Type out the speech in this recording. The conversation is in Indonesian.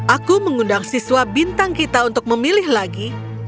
aku mengundang siswa bintang kita untuk memilih lagi